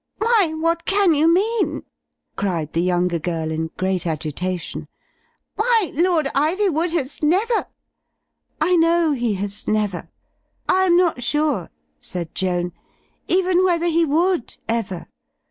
'Why, what can you mean?" cried the younger girl, in great agitation. *Why, Lord Ivjrwood has never —" "1 know he has never. I am not sure," said Joan, *'even whether he would ever.